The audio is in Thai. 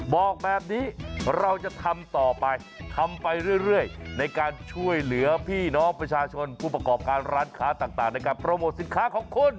บอกแบบนี้เราจะทำต่อไปทำไปเรื่อยในการช่วยเหลือพี่น้องประชาชนผู้ประกอบการร้านค้าต่างในการโปรโมทสินค้าของคุณ